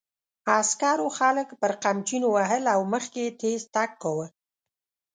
عسکرو خلک پر قمچینو وهل او مخکې یې تېز تګ کاوه.